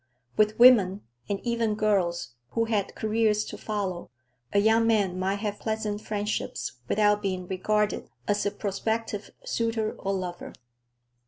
With women, and even girls, who had careers to follow, a young man might have pleasant friendships without being regarded as a prospective suitor or lover.